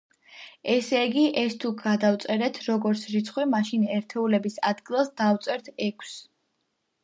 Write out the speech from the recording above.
ესე იგი, ეს თუ გადავწერეთ როგორც რიცხვი, მაშინ ერთეულების ადგილას დავწერთ ექვსს.